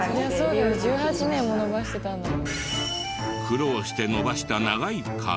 苦労して伸ばした長い髪。